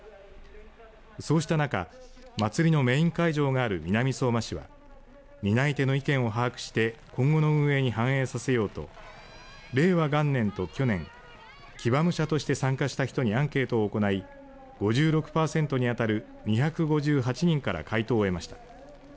そうした中祭りのメイン会場がある南相馬市は担い手の意見を把握して今後の運営に反映させようと令和元年と去年騎馬武者として参加した人にアンケートを行い５６パーセントに当たる２５８人から回答を得ました。